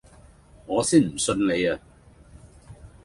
我先唔信你呀